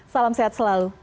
salam sehat selalu